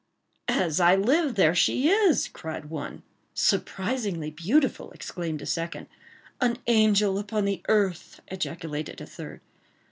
"As I live, there she is!" cried one. "Surprisingly beautiful!" exclaimed a second. "An angel upon earth!" ejaculated a third.